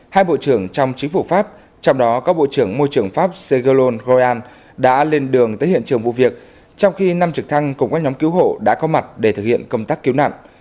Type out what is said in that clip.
hai bộ trưởng trong chính phủ pháp trong đó có bộ trưởng môi trường pháp segolon green đã lên đường tới hiện trường vụ việc trong khi năm trực thăng cùng các nhóm cứu hộ đã có mặt để thực hiện công tác cứu nạn